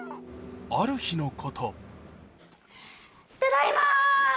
ある日のことただいま！